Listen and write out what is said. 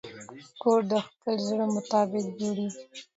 کور د خپل زړه مطابق جوړېږي.